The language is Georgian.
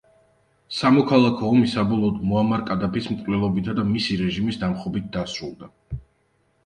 სამოქალაქო ომი საბოლოოდ მუამარ კადაფის მკვლელობითა და მისი რეჟიმის დამხობით დასრულდა.